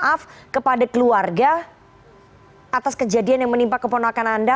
maaf kepada keluarga atas kejadian yang menimpa keponakan anda